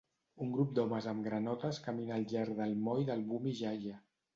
Un grup d'homes amb granotes camina al llarg del moll de Bumi Jaya.